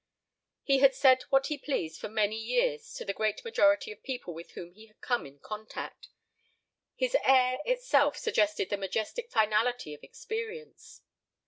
He had said what he pleased for many years to the great majority of people with whom he had come in contact. His "air" itself suggested the majestic finality of experience.